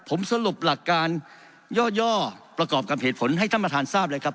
ผมสรุปหลักการย่อประกอบกับเหตุผลให้ท่านประธานทราบเลยครับ